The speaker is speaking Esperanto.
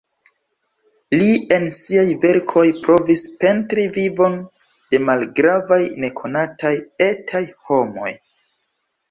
Li en siaj verkoj provis pentri vivon de malgravaj nekonataj "etaj" homoj.